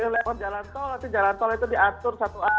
lewat jalan tol nanti jalan tol itu diatur satu a